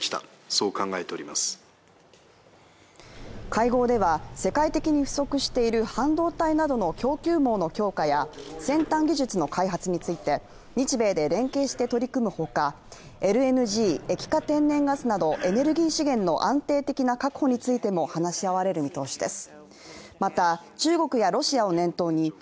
会合では世界的に不足している半導体などの供給網の強化や、先端技術の開発について日米で連携して取り組むほか、ＬＮＧ＝液化天然ガスなどエネルギー資源の安定的な確保についても話し合われる見通しです。